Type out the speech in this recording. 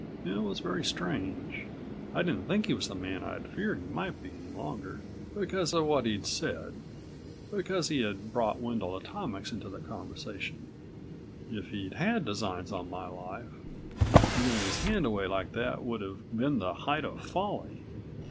It was very strange. I didn't think he was the man I'd feared he might be any longer, because of what he'd said, because he had brought Wendel Atomics into the conversation. If he'd had designs on my life giving his hand away like that would have been the height of folly.